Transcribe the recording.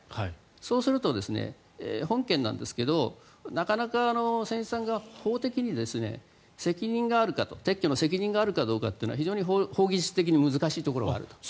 そうすると本件なんですが船主さんになかなか法的に責任があるかと撤去の責任があるかどうかは非常に法律的に難しいところがある。